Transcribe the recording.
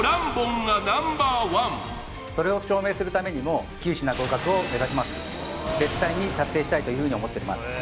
それを証明するためにも９品合格を目指します絶対に達成したいというふうに思っております